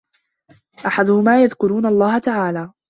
أَحَدُهُمَا يَذْكُرُونَ اللَّهَ تَعَالَى